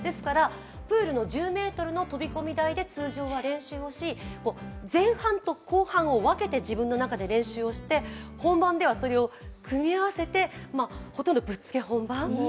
プールの１０ｍの飛び込み台で練習をし、前半と後半を分けて、自分の中で練習をして本番ではそれを組み合わせてほとんどぶっつけ本番。